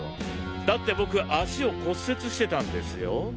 だって僕足を骨折してたんですよ。